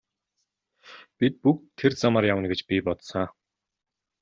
Бид бүгд тэр замаар явна гэж би бодсон.